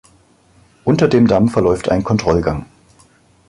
Unter dem Damm verläuft ein Kontrollgang.